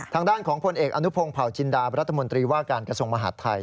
ทางด้านของผลเอกอนุพงศ์เผาจินดารัฐมนตรีว่าการกระทรวงมหาดไทย